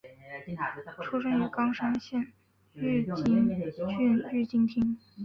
出身于冈山县御津郡御津町。